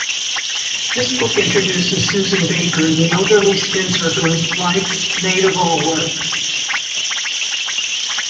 This book introduces Susan Baker, the elderly spinster who is the Blythes' maid-of-all-work.